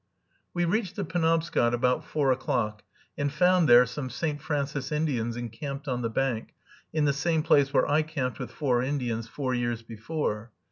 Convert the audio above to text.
We reached the Penobscot about four o'clock, and found there some St. Francis Indians encamped on the bank, in the same place where I camped with four Indians four years before.